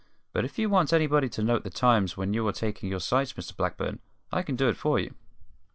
But if you want anybody to note the times when you are taking your sights, Mr Blackburn, I can do it for you."